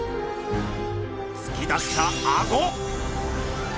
つき出したアゴ！